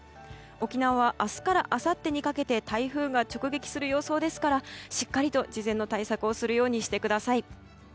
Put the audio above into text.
沖縄は明日からあさってにかけて台風が直撃する予想ですからしっかりと事前の対策をするようにしてください。